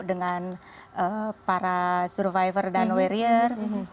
dengan para survivor dan warrior